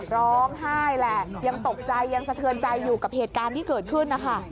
ร้องไห้แหละยังตกใจยังสะเทือนใจอยู่กับเหตุการณ์ที่เกิดขึ้นนะคะ